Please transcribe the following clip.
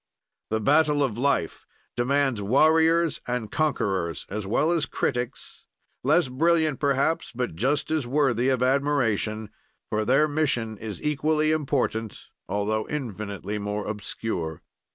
"The battle of life demands warriors and conquerors as well as critics, less brilliant, perhaps, but just as worthy of admiration, for their mission is equally important, altho infinitely more obscure.